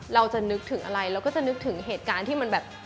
เราจะนึกถึงอะไรเราก็จะนึกถึงเหตุการณ์ที่มันแบบ